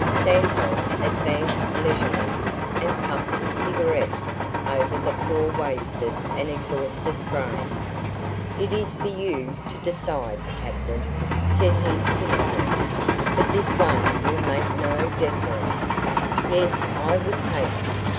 Santos advanced leisurely, and puffed his cigarette over the poor wasted and exhausted frame. "It is for you to decide, captain," said he cynically; "but this one will make no deeference. Yes, I would take him.